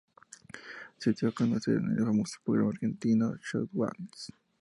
Se dio a conocer en el famoso programa argentino, Showmatch.